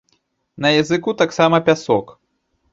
На языку таксама пясок.